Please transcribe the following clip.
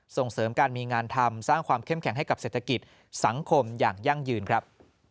ส่งเสริมการมีงานทำสร้างความเข้มแข็งให้กับเศรษฐกิจสังคมอย่างยั่งยืนครับ